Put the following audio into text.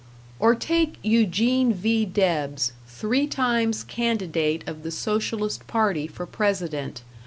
Or take Eugene V. Debs, three times candidate of the Socialist Party for President.